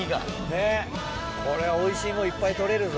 ねっこれはおいしいものいっぱい取れるぞ。